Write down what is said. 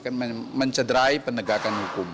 kan mencederai penegakan hukum